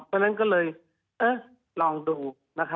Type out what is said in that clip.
เพราะฉะนั้นก็เลยเอ๊ะลองดูนะคะ